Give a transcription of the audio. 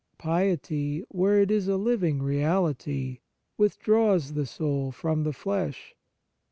Piety, where it is a living reality, withdraws the soul from the flesh.